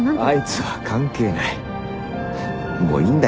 あいつは関係ない。